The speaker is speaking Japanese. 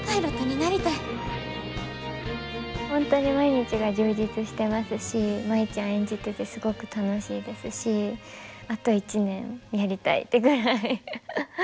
本当に毎日が充実してますし舞ちゃん演じててすごく楽しいですしあと１年やりたいってぐらいハハハ。